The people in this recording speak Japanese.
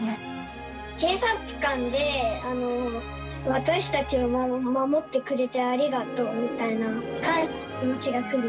警察官で、私たちを守ってくれてありがとうみたいな、感謝の気持ちが。